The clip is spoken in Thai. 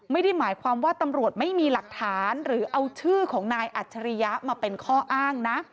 ไม่ได้หมายความว่าตำรวจไม่มีหลักฐานหรือเอาชื่อของนายอัจฉริยะมาเป็นข้ออ้างนะ